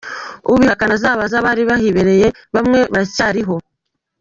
Ubihakana azabaze abali bahibereye bamwe baracyaliho.